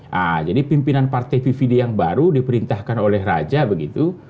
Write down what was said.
nah jadi pimpinan partai pvd yang baru diperintahkan oleh raja begitu